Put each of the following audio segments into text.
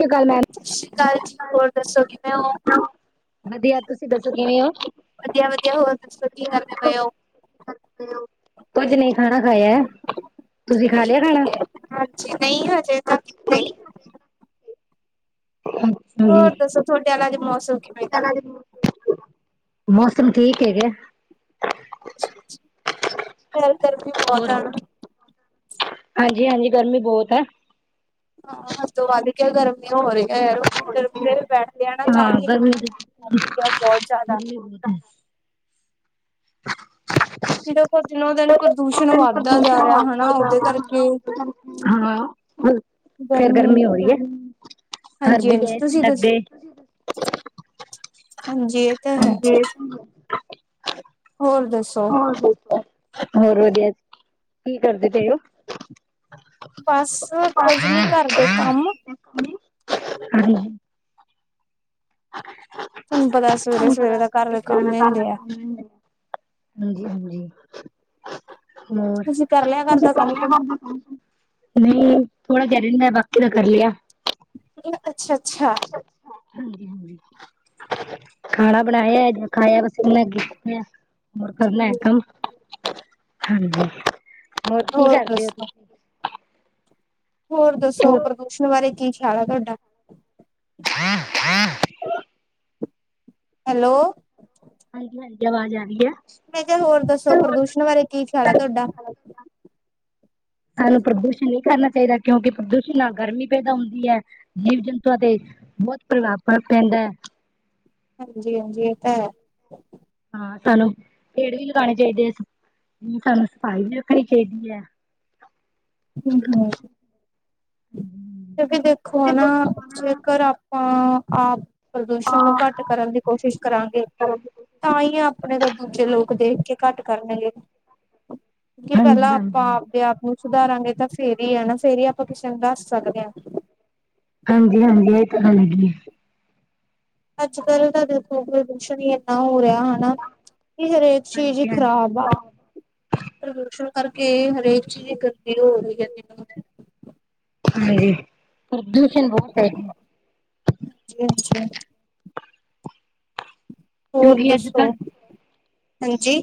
ਸਤਿ ਸ਼੍ਰੀ ਅਕਾਲ ਮੈਮ। ਸਤਿ ਸ਼੍ਰੀ ਅਕਾਲ ਜੀ, ਹੋਰ ਦੱਸੋ ਕਿਵੇਂ ਹੋ? ਵਧੀਆ, ਤੁਸੀਂ ਦੱਸੋ ਕਿਵੇਂ ਓ? ਵਧੀਆ-ਵਧੀਆ, ਹੋਰ ਤੁਸੀ ਕੀ ਕਰਦੇ ਪਏ ਓ? ਕੁੱਝ ਨਹੀਂ ਖਾਣਾ ਖਾਯਾ ਐ, ਤੁਸੀਂ ਖਾ ਲਿਆ ਖਾਣਾ? ਠੀਕ ਹੈ, ਹਾਂਜੀ ਨਹੀਂ ਹਜੇ ਤਾਂ ਕਿੱਥੇ। [unintelligible] ਹੋਰ ਦਸੋਂ ਥੋੜੇ ਵੱਲ ਅੱਜ ਮੌਸਮ ਕਿਵੇਂ ਦਾਂ? ਮੌਸਮ ਠੀਕ ਹੈਗਾ ਐ। ਪਰ ਗਰਮੀ ਬੋਤ ਹੈ ਨਾ? ਹਾਂਜੀ-ਹਾਂਜੀ, ਗਰਮੀ ਬੋਤ ਐ। ਹਾਂ [unintelligible] ਵੱਧ ਕੇ ਗਰਮੀ ਹੋ ਰੀ ਐ, [unintelligible] ਬੈਠਦੇ ਆ ਨਾ ਤਾਂ ਹਾਂ ਵੀ ਗਰਮੀ ਗਰਮੀ ਆ ਬੋਤ ਜਾਦਾ। [unintelligible] [unintelligible] ਜਿਹੜਾ ਕੋ ਦਿਨੋ ਦਿਨ ਪ੍ਰਦੂਸ਼ਣ ਵੱਧਦਾ ਜਾ ਰਿਹਾ ਹਨਾ ਉਹਦੇ ਕਰਕੇ ਹਾਂ। ਫੇਰ ਗਰਮੀ ਹੋ ਰਹੀ ਹੈ ਹਾਂਜੀ ਹਾਂਜੀ ਤੁਸੀਂ ਦੱਸੋ [unintelligible] ਹਾਂਜੀ ਤਾਂ ਹੈ ਹਾਂਜੀ ਹੋਰ ਦੱਸੋ ਹੋਰ [unintelligible] ਹੋਰ ਵਧੀਆ ਕੀ ਕਰਦੇ ਪਏ ਹੋ। ਬਸ ਕੁੱਝ ਨਹੀ ਘਰ ਦੇ ਕੰਮ। [unintelligible] ਤੁਹਾਨੂੰ ਪਤਾ ਸਵੇਰੇ ਸਵੇਰੇ ਦਾ ਘਰ ਦੇ ਕੰਮ ਹੀ ਹੁੰਦੇ ਆ [unintelligible] ਹਾਂਜੀ-ਹਾਂਜੀ। ਹੋਰ ਤੁਸੀਂ ਕਰ ਲਿਆ ਘਰ ਤੁਸੀਂ ਦਾ ਕਰ ਕੰਮ ਲਿਆ ਕੁਮ ਘਰ ਦਾ ਕੰਮ। ਨਹੀਂ ਥੋੜ੍ਹਾ ਜ ਰਹਿੰਦਾ ਬਾਕੀ ਦਾ ਕਰ ਲਿਆ। ਅੱਛਾ-ਅੱਛਾ। ਹਾਂਜੀ ਖਾਣਾ ਬਣਾਇਆ ਖਾਇਆ ਵਸ [unintelligible] ਹੋਰ ਕਰਨਾ ਕੰਮ ਹਾਂਜੀ ਹੋਰ ਕੀ ਕਰਦੇ ਹੋ ਤੁ ਹੋਰ ਦੱਸੋ ਪ੍ਰਦੂਸ਼ਣ ਬਾਰੇ ਕੀ ਖਿਆਲ ਆ ਤੁਹਾਡਾ। [inaudible] ਹੈਲੋ ਹਾਂਜੀ-ਹਾਂਜੀ ਆਵਾਜ਼ ਆ ਰਹੀ ਹੈ। ਮੈਂ ਕਿਹਾ ਹੋਰ ਦੱਸੋ ਪ੍ਰਦੂਸ਼ਣ ਬਾਰੇ ਕੀ ਖਿਆਲ ਆ ਤੁਹਾਡਾ। ਸਾਨੂੰ ਪ੍ਰਦੂਸ਼ਣ ਨੀ ਕਰਨਾ ਚਾਹੀਦਾ ਕਿਉਂਕਿ ਪ੍ਰਦੂਸ਼ਣ ਨਾਲ ਗਰਮੀ ਪੈਦਾ ਹੁੰਦੀ ਹੈ। ਜੀਵ ਜੰਤੂਆਂ ਤੇ ਬੌਤ ਪ੍ਰਭਾਵ ਪੈਂਦਾ। ਹਾਂਜੀ-ਹਾਂਜੀ ਇਹ ਤਾ ਹੈ। ਹਾਂ ਸਾਨੂੰ ਪੇੜ ਵੀ ਲਗਾਉਣੇ ਚਾਹੀਦੇ ਆ, ਸਾਨੂੰ ਸਫ਼ਾਈ ਵੀ ਰੱਖਣੀ ਚਾਹੀਦੀ ਹੈ। [inaudible] ਹਾਂਜੀ ਕਿਉਕਿ ਦੇਖੋ ਨਾ ਜੇਕਰ ਆਪ ਪਾ ਆਪ ਪ੍ਰਦੂਸ਼ਣ ਨੂੰ ਘੱਟ ਕਰਨ ਦੀ ਕੋਸ਼ਿਸ਼ ਕਰਾਂਗੇ ਤਾਂ ਹੀ ਆ ਆਪਣੇ ਤੋਂ ਦੂਜੇ ਲੋਕ ਦੇਖ ਕੇ ਘੱਟ ਕਰਨਗੇੇ। ਕੀ ਪਹਿਲਾ ਹਾਂਜੀ ਆਪਾ ਹਾਂਜੀ ਆਪਦੇ ਆਪ ਨੂੰ ਸੁਧਾਰਾਂਗੇ ਤਾਂ ਫੇਰ ਹੀ ਹੈ ਨਾ ਫੇਰ ਹੀ ਆਪਾਂ ਕਿਸੇ ਨੂੰ ਦੱਸ ਸਕਦੇ ਹਾਂ। ਹਾਂਜੀ-ਹਾਂਜੀ ਇਹ ਤੇ ਹਾਂਜੀ। ਅੱਜ ਕੱਲ ਤਾਂ ਦੇਖੋ ਪ੍ਰਦੂਸ਼ਣ ਹੀ ਇਨਾ ਹੋ ਰਿਹਾ ਹਨਾ ਕਿ ਕਰੇ ਚੀਜ਼ ਹੀ ਹਾਂਜੀ ਹਾਂਜੀ ਖਰਾਬ ਆ। ਪ੍ਰਦੂਸ਼ਣ ਕਰਕੇ ਹਰੇਕ ਚੀਜ਼ ਦੀ ਗੰਦੀ ਹੋ ਰਹੀ ਹੈ [unintelligible] ਹਾਂਜੀ ਪ੍ਰਦੂਸ਼ਣ ਬੌਤ ਹੈ। ਹਾਂਜੀ-ਹਾਂਜੀ। ਹੋਰ ਕਿਉਂਕਿ ਅੱਜ ਦੱਸੋ ਕੱਲ ਹਾਂਜੀ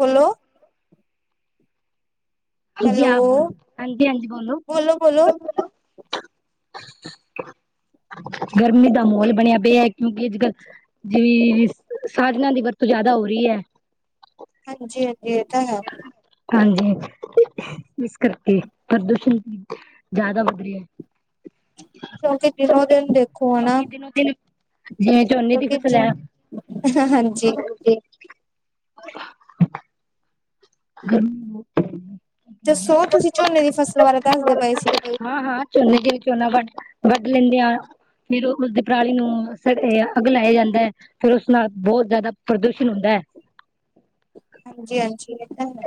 ਬੋਲੋ। ਹਾਂਜੀ ਹੈਲੋ ਆਪ ਬੋਲੋ ਹਾਂਜੀ-ਹਾਂਜੀ ਬੋਲੋ। [inaudible] ਗਰਮੀ ਦਾ ਮਾਹੌਲ ਬਣਿਆ ਪਿਆ ਕਿਉਂਕਿ ਅੱਜ ਕੱਲ ਜਿ ਸਾਧਨਾ ਦੀ ਵਰਤੋਂ ਜ਼ਿਆਦਾ ਹੋ ਰਹੀ ਹੈ। ਹਾਂਜੀ-ਹਾਂਜੀ ਇਹ ਤਾਂ ਹੈ। ਹਾਂਜੀ ਇਸ ਕਰਕੇ ਪ੍ਰਦੂਸ਼ਣ ਦੀ ਜਾਦਾ ਵੱਧ ਰਹੀ ਹੈ। [inaudible] ਕਿਉਂਕਿ ਦਿਨੋ ਦਿਨ ਦੇਖੋ ਹਨਾ ਕਿਉਂਕਿ ਦਿਨੋ ਦਿਨ ਜਿਵੇਂ ਝੋਨੇ ਦੀ ਕਿਉਂਕਿ ਫਸਲ ਜਿ ਹੈ ਹ-ਹ ਹਾਂਜੀ। [inaudible] [inaudible] ਦੱਸੋ ਤੁਸੀ ਝੋਨੇ ਦੀ ਫਸਲਾ ਬਾਰੇ ਦੱਸਦੇ ਪਏ ਸੀ। ਹਾਂ-ਹਾਂ ਝੋਨੇ ਦੀ ਵੀ ਝੋਨਾ ਵੱ ਵੱਢ ਲੈਂਦੇ ਆ। ਫਿਰ, ਉਸਦੀ ਪਰਾਲੀ ਨੂੰ ਅੱਗ ਲਾਇਆ ਜਾਂਦੈ। ਫਿਰ ਉਸ ਨਾਲ, ਬਹੁਤ ਜ਼ਿਆਦਾ ਪ੍ਰਦੂਸ਼ਣ ਹੁੰਦੈ। ਹਾਂਜੀ-ਹਾਂਜੀ, ਇਹ ਤਾਂ ਹੈ।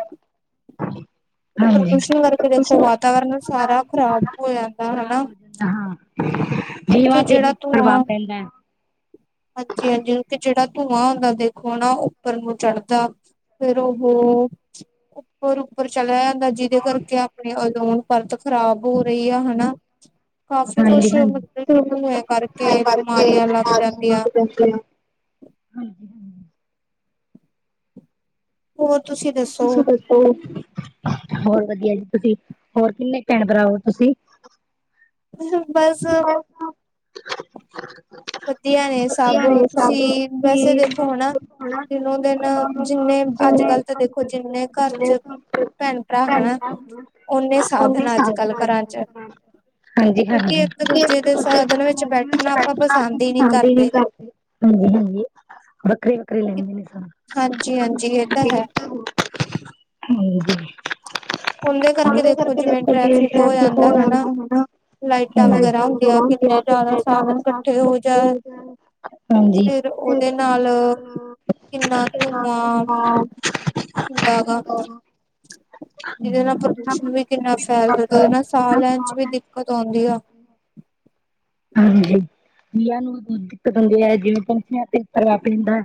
[inaudible] ਹਾਂਜੀ ਪ੍ਰਦੂਸ਼ਣ ਕਰਕੇ ਦੇਖੋ ਵਾਤਾਵਰਨ ਸਾਰਾ ਖ਼ਰਾਬ ਹੋ ਜਾਂਦਾ ਹਨਾ। ਖ਼ਰਾਬ ਹੋ ਹਾਂ, ਕਿਉਂਕਿ ਜੀਵਾਂ ਤੇ ਜਿਹੜਾ ਵੀ ਧੂੰਆਂ ਪ੍ਰਭਾਵ ਪੈਂਦਾ। ਹਾਂਜੀ-ਹਾਂਜੀ, ਤੇ ਜਿਹੜਾ ਧੂੰਆਂ ਹੁੰਦਾ ਦੇਖੋ ਨਾ, ਉੱਪਰ ਨੂੰ ਚੜ੍ਹਦਾ ਫਿਰ ਉਹ, ਉੱਪਰ-ਉੱਪਰ ਚਲਿਆ ਜਿਹਦੇ ਕਰਕੇ ਆਪਣੇ ਅਝੋਨ ਪਰਤ ਖ਼ਰਾਬ ਹੋ ਰਹੀ ਆ, ਹਨਾ। ਕਾਫੀ ਕੁਛ ਹਾਂਜੀ-ਹਾਂਜੀ, ਮਤਲਬ ਕਿ, ਧੂੰਏ ਕਾਰਕੇ ਬਿਮਾਰੀਆਂ ਲੱਗ ਜਾਂਦੀਆਂ। ਹਾਂਜੀ। ਹੋਰ, ਤੁਸੀਂ ਦੱਸੋ? ਹੋਰ। ਹੋਰ ਵਧੀਆ ਜੀ ਤੁਸੀਂ, ਹੋਰ, ਕਿੰਨੇ ਭੈਣ ਭਰਾ ਹੋ ਤੁਸੀ? [unintelligible] ਬਸ ਪਰਾਂ ਵਧੀਆ ਨੇ ਸਭ, ਤੁਸੀਂ, ਵੈਸੇ ਦੇਖੋ ਹੁਣ, ਦਿਨੋ-ਦਿਨ ਜਿੰਨੇ ਅੱਜ-ਕੱਲ ਤਾ ਦੇਖੋ ਜਿੰਨੇ ਘਰ'ਚ ਭੈਣ-ਭਰਾ ਹਣਾ ਓਂਨੇ ਸਾਧਨ ਆ, ਅੱਜ-ਕੱਲ ਘਰਾਂ'ਚ। ਹਾਂਜੀ-ਹਾਂਜੀ, ਵਿੱਚ ਬੈਠਣਾ ਆਪਾਂ [unintelligible] ਪਸੰਦ ਹੀ ਨਹੀਂ ਹਾਂ, ਦੀਦੀ ਕੀ ਕਰਦੇ? ਹਾਂਜੀ-ਹਾਂਜੀ। ਵੱਖਰੇ-ਵੱਖਰੇ ਲੈਂਦੇ ਨੇ ਸਾ ਹਾਂਜੀ ਹੋਰ ਹਾਂਜੀ ਇਹ ਤਾਂ ਹੈ ਉਹਦੇ ਫਾਂਡੇ ਦੇ ਕਰਕੇ ਜਿਵੇਂ ਦੇਖੋ ਟ੍ਰੈਫਿਕ ਠੀਕ ਜਾਂਦਾ ਹੋ ਹਨਾ। ਜਾਂਦਾ, ਲਾਈਟਾਂ ਹਨਾ। ਵਗੈਰਾ [unintelligible] ਹੁੰਦੀਆਂ ਹੁੰਦਾ ਕਿੰਨੇ ਜ਼ਿਆਦਾ ਸਾਧਨ ਸਾਧ ਇਕੱਠੇ ਹੋ ਜਾਣ ਹਾਂਜੀ ਫਿਰ ਉਹਦੇ ਨਾਲ ਓਹਦੇ ਕਿੰਨਾ ਨਾਲ ਧੂੰਆਂ ਹਾ ਹੁੰਦਾ ਗਾ [unintelligible] ਜਿਹਦੇ ਨਾਲ ਪ੍ਰਦੂਸ਼ਣ ਵੀ ਕਿੰਨਾ ਫੈਲਦਾ, ਤੇ ਉਹਦੇ ਨਾਲ ਸਾਹ ਲੈਣ'ਚ ਵੀ ਦਿੱਕਤ ਹੋਦੀ ਆ। ਹਾਂਜੀ, ਵਿਆ ਦੁਧ ਕੇ ਬੰਦੇ ਹੈਗੇ, ਜਿਵੇਂ ਪੰਥੀਆਂ ਤੇ ਪ੍ਰਭਾਵ ਪੈਂਦਾ।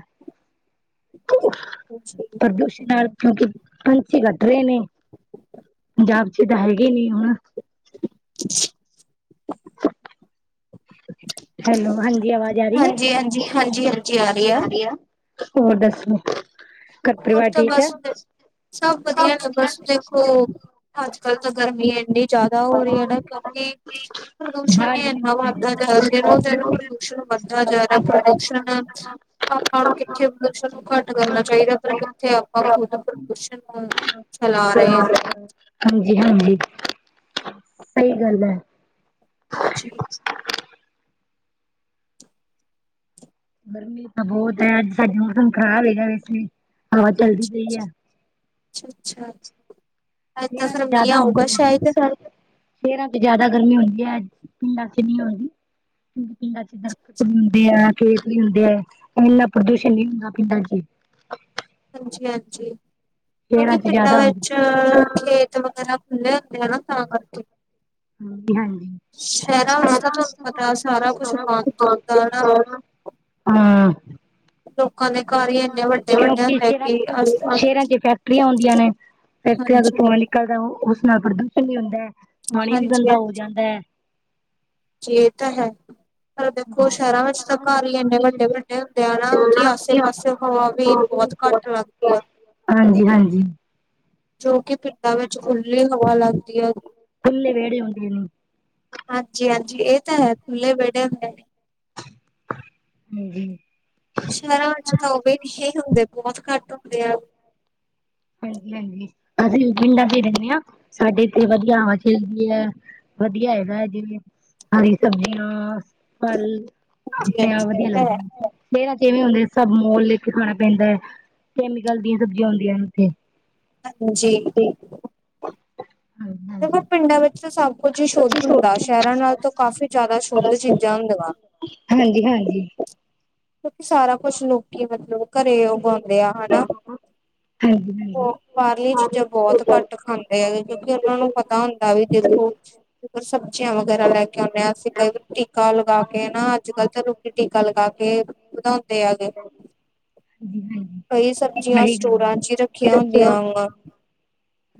ਊਅ ਅੱਛੀ ਪ੍ਰਦੁਸ਼ਣ ਨਾਲ, ਕਿਉਂਕੀ ਪੰਛੀ ਘਟ ਰਹੇ ਨੇ। [inaudible] ਪੰਜਾਬ'ਚ ਤਾਂ ਹੈਗੇ ਨੀ ਹੁਣ। [inaudible] ਹੈਲੋ, ਹਾਂਜੀ, ਅਵਾਜ਼ ਆ ਰਹੀ ਆ? ਹਾਂਜੀ ਹਾਂਜੀ ਹਾਂਜੀ ਹਾਂਜੀ ਆ ਰਹੀ ਆ। ਹੋਰ ਦੱਸੋ, ਹੋਰ ਘਰ-ਪਰਿਵਾਰ ਤਾਂ ਠੀਕ ਹੈ? ਬਸ ਸਭ ਵਧੀਆ ਨੇ, ਬਸ ਦੇਖੋ ਅੱਜ-ਕੱਲ ਤਾਂ ਗਰਮੀ ਇੰਨੀ ਜ਼ਿਆਦਾ ਹੋ ਰਹੀ ਹੈ, ਨਾ ਕਿਉਂਕਿ ਪ੍ਰਦੂਸ਼ਣ ਹੀ ਐਂਨਾ ਵੱਧਦਾ ਜਾ ਦਿਨੋ-ਦਿਨ ਪ੍ਰਦੂਸ਼ਣ ਵੱਧਦਾ ਜਾ ਰਿਹਾ, ਪ੍ਰਦੂਸ਼ਣ ਆਪਾਂ ਨੂੰ ਕਿੱਥੇ ਪ੍ਰਦੂਸ਼ਣ ਨੂੰ ਘੱਟ ਕਰਨਾ ਚਾਹੀਦਾ, ਪਰ ਕਿੱਥੇ ਆਪਾਂ ਖੁਦ ਪ੍ਰਦੂਸ਼ਣ ਨੂੰ, ਚਲਾ ਰਹੇ ਹਾਂ। ਹਾਂਜੀ-ਹਾਂਜੀ। ਸਹੀ ਗਲ ਐ। ਜੀ। ਗਰਮੀ ਤਾ ਬਹੁਤ ਹੈ, ਅੱਜ ਸਾਡੇ ਮੌਸਮ ਖ਼ਰਾਬ ਹੈਗਾ ਵੈਸੇ, ਹਵਾ ਚਲਦੀ ਪਈ ਐ। ਅੱਛਾ-ਅੱਛਾ, ਅੱਜ ਤਾ ਸ਼ਹਿਰਾਂ ਫਿਰ, ਮੀਂਹ ਆਊਗਾ ਸ਼ਾਇਦ। ਸ਼ੇਰਾਂ'ਚ ਜਿਆਦਾ ਗਰਮੀ ਹੁੰਦੀ ਹੈ, ਪਿੰਡਾਂ'ਚ ਨਹੀਂ ਹੋਂਦੀ। ਪਿੰਡਾਂ'ਚ ਦਰੱਖਤ ਹੁੰਦੇ ਆ, ਖੇਤ ਵੀ ਹੁੰਦੈ, ਇੰਨਾ ਪ੍ਰਦੂਸ਼ਣ ਨਹੀਂ ਹੁੰਦਾ ਪਿੰਡਾਂ'ਚ। ਹਾਂਜੀ-ਹਾਂਜੀ, ਕਿਉਂਕਿ ਸ਼ਹਿਰਾਂ ਚ ਪਿੰਡਾਂ ਜ਼ਿਆਦਾ ਹੁੰਦਾ ਵਿੱਚ ਅਅ- ਖੇਤ ਵਗੈਰਾ ਖੁੱਲੇ ਹੁੰਦੇ ਆ ਨਾ ਤਾਂ ਕਰਕੇ। ਹਾਂਜੀ-ਹਾਂਜੀ। ਸ਼ਹਿਰਾਂ ਵਿੱਚ ਤਾਂ ਸਾਰਾ ਤੁਹਾਨੂੰ ਪਤਾ ਸਾਰਾ ਕੁਛ ਬੰਦ ਹੁੰਦਾ ਨਾ ਦਿੱਤਾ ਹਾਂ ਲੋਕਾਂ ਦੇ ਘਰ ਹੀ ਇੰਨੇ ਵੱਡੇ ਵੱਡੇ ਹੁੰਦੇ ਕਿ ਅਸ ਸ਼ੇਰਾਂ ਚ ਫੈਕਟਰੀਆਂ ਆਉਂਦੀਆਂ ਨੇ ਫੈਕਟਰੀਆਂ ਦਾ ਹਾਂਜੀ ਤੁਆ ਨਿਕਲਦਾ ਉਸ ਨਾਲ ਪ੍ਰਦੂਸ਼ਣ ਵੀ ਹੁੰਦਾ ਹੈ। ਪਾਣੀ ਵੀ ਹਾਂਜੀ ਗੰਦਾ ਹੋ ਜਾਂਦਾ ਹੈ। ਜੇ ਇਹ ਤਾਂ, ਹੈ। ਪਰ ਦੇਖੋ ਹਾਂ ਸ਼ਹਿਰਾਂ ਵਿੱਚ ਤਾਂ ਘਰ ਹੀ ਇੰਨੇ ਵੱਡੇ-ਵੱਡੇ ਹੁੰਦੇ ਆ ਨਾ ਕਿ ਆਸੇ ਪਾਸੇ ਹਵਾ ਵੀ ਬਹੁਤ ਘੱਟ ਲੱਗਦੀ ਆ। ਹਾਂਜੀ-ਹਾਂਜੀ। ਜੋ ਕਿ ਪਿੰਡਾਂ ਵਿੱਚ ਖੁੱਲੀ ਹਵਾ ਲੱਗਦੀ ਹੈ। ਖੁਲੇ ਵੇਹੜੇ ਹੁੰਦੇ ਨੇ। ਹਾਂਜੀ-ਹਾਂਜੀ ਇਹ ਤਾਂ ਹੈ ਖੁੱਲ੍ਹੇ ਵਿਹੜੇ ਹੁੰਦੇ ਨੇ। ਹਮ ਹ ਸ਼ਹਿਰਾਂ ਵਿੱਚ ਤਾਂ ਉਹ ਵੀ ਹੁੰਦੇ ਬਹੁਤ ਘੱਟ ਹੁੰਦੇ ਆ। ਹਾਂਜੀ-ਹਾਂਜੀ ਅਸੀਂ ਪਿੰਡਾਂ ਤੇ ਰਹਿੰਦੇ ਹਾਂ ਸਾਡੇ ਇਥੇ ਵਧੀਆ ਹਵਾ ਚਲਦੀ ਹੈ। ਵਧੀਆ ਹੈਗੈ ਜਿਵੇਂ ਹਰੀ ਸਬਜ਼ੀਆਂ ਕੱਲ ਹਾਂਜੀ ਆਪਣੇ ਹਾਂਜੀ ਆਪ ਵਧੀਆ ਹੈ ਲੱਗਦਾ। ਹੁੰਦੇ ਸਭ ਮੋਲ ਲੈ ਕੇ ਖਾਣਾ ਪੈਂਦਾ ਹੈ ਕੈਮੀਕਲ ਦੀਆਂ ਸਬਜ਼ੀਆਂ ਹੁੰਦੀਆਂ ਨੇ। [unintelligible] ਹਾਂਜੀ ਹਾਂ ਦੇਖੋ ਪਿੰਡਾਂ ਵਿੱਚ ਤੇ ਸਭ ਕੁਝ ਹੀ ਸ਼ੁੱਧ ਹੁੰਦਾ ਸ਼ਹਿਰਾਂ ਨਾਲ ਤਾਂ ਕਾਫ਼ੀ ਜ਼ਿਆਦਾ ਸ਼ੁੱਧ ਚੀਜ਼ਾਂ ਹੁੰਦੀਆਂ। ਹਾਂਜੀ-ਹਾਂਜੀ। ਕਿਉਂਕਿ ਸਾਰਾ ਕੁਛ ਲੋਕੀ ਮਤਲਬ। ਘਰੇ ਉਗਾਉਂਦੇ ਆ ਹਨਾ, ਹਾਂਜੀ-ਹਾਂਜੀ ਹਾਂਜੀ-ਹਾਂਜੀ ਉਹ ਬਾਹਰਲੀਆਂ ਚੀਜ਼ਾਂ ਬਹੁਤ ਘੱਟ ਖਾਂਦੇ ਹੈਗੇ ਕਿਉਂਕਿ ਉਹਨਾਂ ਨੂੰ ਪਤਾ ਹੁੰਦਾ ਵੀ ਦੇਖੋ ਸਬਜ਼ੀਆਂ ਵਗੈਰਾ ਲੈ ਕੇ ਆਉਂਣੇ ਹਾਂ ਅਸੀਂ ਕਈ ਟੀਕਾ ਲਗਾ ਕੇ ਨਾ ਅੱਜ-ਕੱਲ੍ਹ ਤੇ ਲੋਕੀ ਟੀਕਾ ਲਗਾ ਕੇ ਵਧਾਂਦੇ ਆਗੇ। ਸਹੀ ਗੱਲ ਕਈ ਹੈ ਸਬਜ਼ੀਆਂ ਹਾਂਜੀ-ਹਾਂਜੀ ਸਟੋਰਾਂ ਚ ਹੀ ਰੱਖੀਆਂ ਹੁੰਦੀਆਂ ਵ।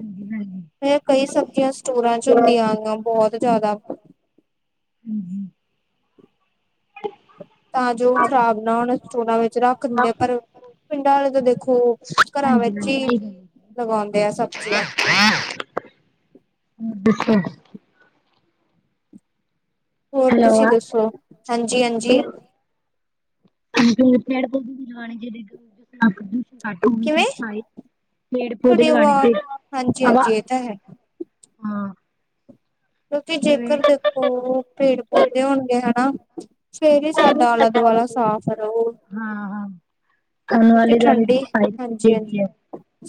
ਹਾਂਜੀ ਮੈਂ ਕਈ ਸਬਜ਼ੀਆਂ ਸਟੋਰਾਂ ਚ ਹੁੰਦੀਆਂ ਬਹੁਤ ਜ਼ਿਆਦਾ। [inaudible] [inaudible] ਤਾਂ ਜੋ ਖ਼ਰਾਬ ਨਾ ਹੁਣ ਸਟੋਰ ਵਿੱਚ ਰੱਖ ਦਿੰਦੇ ਪਰ ਪਿੰਡਾਂ ਵਾਲੇ ਤਾਂ ਦੇਖੋ ਘਰਾਂ ਸਹੀ ਵਿੱਚ ਹੀ ਗੱਲ ਹੈ। ਲਗਾਉਂਦੇ ਆ ਸਬਜ਼ੀਆਂ। [unintelligible] ਹੋਰ ਹੈਲੋ ਤੁਸੀਂ ਦੱਸੋ ਹਾਂਜੀ-ਹਾਂਜੀ। [unintelligible] ਪੇਡ ਕਿਵੇਂ ਪੌਦੇ ਤੁਹਾਡੀ ਲਗਾਨੇ ਆਵਾਜ਼ ਚਾਹੀਦੇ, ਹਾਂਜੀ ਹਵਾ ਹਾਂਜੀ ਇਹ ਤਾਂ ਹੈ ਹਾਂ ਕਿਉਂਕਿ ਜਿਵੇਂ ਜੇਕਰ ਦੇਖੋ ਉਹ ਪੇੜ ਪੌਦੇ ਹੋਣਗੇ ਹਨਾ। ਸਵੇਰੇ ਸਾਡਾ ਆਲਾ ਦੁਆਲਾ ਸਾਫ਼ ਰਹੋ। ਹਾਂ-ਹਾਂ ਸਾਨੂੰ ਵਾਲੇ ਦਵਾਲੇ ਠੰਡੀ ਹਾਂਜੀ ਸਫਾਈ ਹਾਂਜੀ ਹੈ।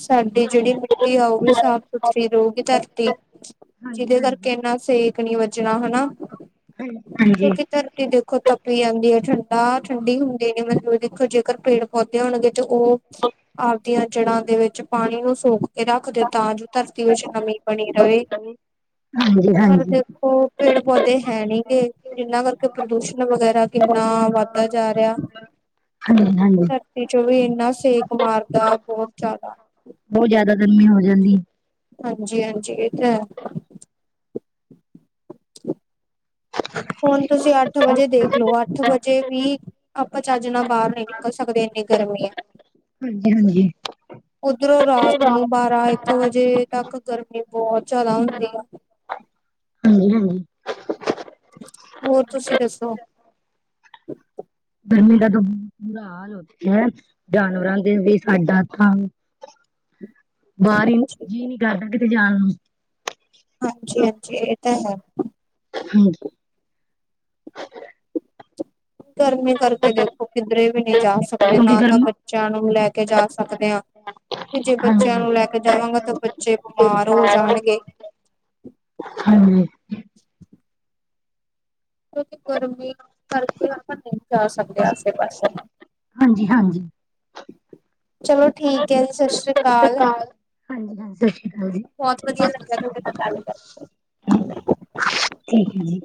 ਸਾਡੀ ਜਿਹੜੀ ਆਊਗੀ ਸਾਫ਼ ਸੁਥਰੀ ਰਹੁਗੀ ਧਰਤੀ ਹਾਂਜੀ ਜਿਹਦੇ ਕਰਕੇ ਇਨਾ ਸਿਹ ਨਹੀਂ ਵੱਜਣਾ ਹਨਾ ਹਾਂਜੀ ਕਿਉ ਹਾਂਜੀ ਫਿਰ। ਟੀ ਦੇਖੋ ਤਪੀ ਜਾਂਦੀ ਹੈ ਠੰਡਾ ਠੰਡੀ ਹੁੰਦੀ ਨੀ ਮਤਲਬ ਦੇਖੋ ਜੇਕਰ ਪੇੜ ਪੌਦੇ ਹੋਣਗੇ ਤੇ ਉਹ ਆਪਦੀਆਂ ਜੜ੍ਹਾਂ ਦੇ ਵਿੱਚ ਪਾਣੀ ਨੂੰ ਸੋਕ ਕੇ ਰੱਖ ਦਿ ਤਾਂ ਜੋ ਧਰਤੀ ਵਿੱਚ ਨਮੀਂ ਬਣੀ ਰਵੇ। ਹਾਂਜੀ ਪਰ ਹਾਂਜੀ ਦੇਖੋ ਪੇੜ ਪੌਦੇ ਹੈ ਨੀ ਗੇ। ਜਿਨਾਂ ਕਰਕੇ ਪ੍ਰਦੂਸ਼ਣ ਵਗੈਰਾ ਕਿੰਨਾ ਵੱਧਦਾ ਜਾ ਰਿਹਾ। ਹਾਂਜੀ ਹਾਂਜੀ ਵਿੱਚੋ ਵੀ ਇੰਨਾ ਸੇਕ ਮਾਰਦਾ, ਬਹੁਤ ਜ਼ਿਆਦਾ। ਬਹੁਤ ਜਿਆਦਾ ਗਰਮੀ ਹੋ ਜਾਂਦੀ। ਹਾਂਜੀ- ਹਾਂਜੀ ਇਹ ਤਾਂ ਹੈ ਹੁਣ ਤੁਸੀਂ ਅੱਠ ਵਜੇ ਦੇਖਲੋ, ਅੱਠ ਵਜੇ ਅਜੇ ਵੀ, ਆਪਾਂ ਚੱਜ ਨਾਲ ਬਾਹਰ ਨੀ ਨਿਕਲ ਸਕਦੇ ਇੰਨੀ ਗਰਮੀ ਐ ਹਾਂਜੀ- ਹਾਂਜੀ ਉਪਰੋਂ ਰਾਤ ਨੂੰ ਬਾਹਰ ਤਾਂ ਇੱਕ ਵਜੇ ਤੱਕ ਗਰਮੀ ਬਹੁਤ ਜ਼ਿਆਦਾ ਹੁੰਦੀ ਆ ਹਾਂਜੀ- ਹਾਂਜੀ ਹੋਰ ਤੁਸੀਂ ਦੱਸੋ ਗਰਮੀ ਦਾ ਤਾਂ ਬ ਬੁਰਾ ਹਾਲ ਹੋ ਗਿਆ ਹੈ, ਜਾਨਵਰਾਂ ਦਾ ਤੇ ਸਾਡਾ ਤਾਂ ਹਮ [unintelligible] ਬਾਹਰ ਹੀ, ਜੀਅ ਨੀ ਕਰਦਾ ਕਿਤੇ ਜਾਣ ਨੂੰ ਹਾਂਜੀ- ਹਾਂਜੀ ਇਹ ਤਾਂ ਹੈ ਹਮ ਗਰਮੀ ਕਰਕੇ ਦੇਖੋ ਕਿੱਧਰੇ ਵੀ ਨਹੀਂ ਜਾ ਸਕਦੇ, ਕਿਉਂਕਿ ਨਾ ਤਾਂ ਗਰਮੀ ਬੱਚਿਆਂ ਨੂੰ ਲੈ ਕੇ ਜਾ ਸਕਦੇ ਆ ਤੇ ਜੇ ਬੱਚਿਆਂ ਹਾਂਜੀ ਨੂੰ ਲੈ ਕੇ ਜਾਵਾਂਗਾ, ਤਾਂ ਬੱਚੇ ਬਿਮਾਰ ਹੋ ਜਾਣਗੇ ਹਾਂਜੀ ਕਿਉਕਿ ਗਰਮੀ ਕਰਕੇ ਆਪਾਂ ਨਹੀਂ ਜਾ ਸਕਦੇ ਆਸੇ ਪਾਸੇ ਨੂੰ ਹਾਂਜੀ- ਹਾਂਜੀ ਚਲੋ ਠੀਕ ਹੈ ਜੀ, ਸਤਿ ਸ੍ਰੀ ਅਕਾਲ ਹਾਂਜੀ ਹਾਂਜੀ ਸਤਿ ਸ਼੍ਰੀ ਅਕਾਲ ਜੀ ਬਹੁਤ ਵਧੀਆ ਲੱਗਿਆ ਤੁਹਾਡਾ ਪਤਾ ਲਗਾ ਠੀਕ ਹੈ ਜੀ